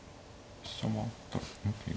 飛車もあったんで。